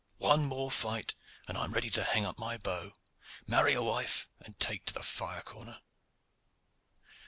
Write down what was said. One more fight, and I am ready to hang up my bow, marry a wife, and take to the fire corner.